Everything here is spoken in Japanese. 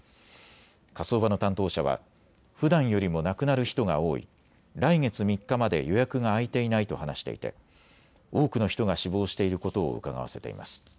火葬場の担当者はふだんよりも亡くなる人が多い来月３日まで予約が空いていないと話していて多くの人が死亡していることをうかがわせています。